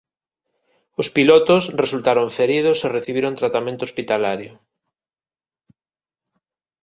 Os pilotos resultaron feridos e recibiron tratamento hospitalario.